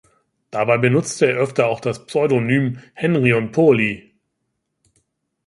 Dabei benutzte er öfters auch das Pseudonym "Henrion Poly".